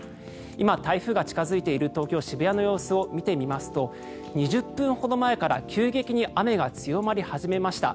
今、台風が近付いている東京・渋谷の様子を見てみますと２０分ほど前から急激に雨が強まり始めました。